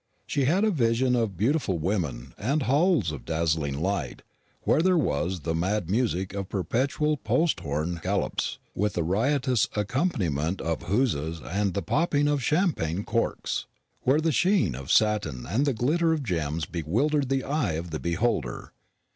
She had a vision of beautiful women, and halls of dazzling light, where there was the mad music of perpetual Post horn Galops, with a riotous accompaniment of huzzas and the popping of champagne corks where the sheen of satin and the glitter of gems bewildered the eye of the beholder.